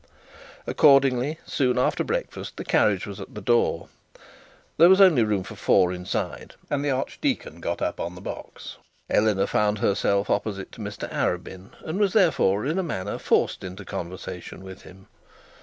Accordingly, soon after breakfast, the carriage was at the door. There was only room for four inside, and the archdeacon got upon the box. Eleanor found herself opposite to Mr Arabin, and was, therefore, in a manner forced into conversation with him.